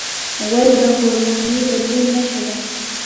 غول د هورموني بدلون نښه ده.